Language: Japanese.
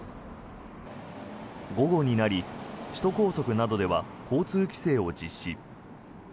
午後になり、首都高速などでは交通規制を実施。